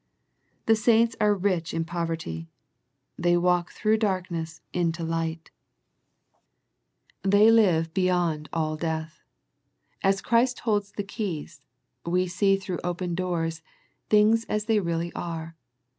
The saints are rich in pov erty. They walk through darkness into light. 76 A First Century Message They live beyond all death. As Christ holds the keys, we see through open doors, things as they really are.